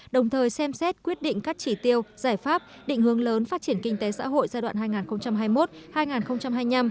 đồng thời xem xét quyết định các chỉ tiêu giải pháp định hướng lớn phát triển kinh tế xã hội giai đoạn hai nghìn hai mươi một hai nghìn hai mươi năm